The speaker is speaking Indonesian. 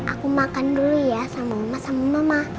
aku makan dulu ya sama mama sama mama